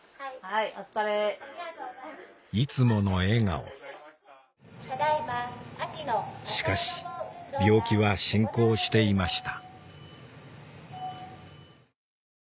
いつもの笑顔しかし病気は進行していました